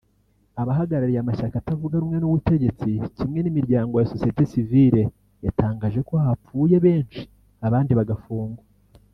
Abahagarariye amashyaka atavuga rumwe n’ubutegetsi kimwe n’imiryango ya sosiyete sivile yatangaje ko hapfuye benshi abandi bagafungwa